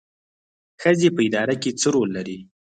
ښځې په اداره کې څه رول لري؟